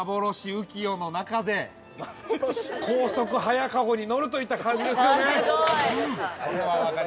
浮世の中で高速早駕籠に乗るといった感じですよね？